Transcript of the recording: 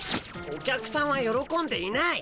お客さんはよろこんでいない！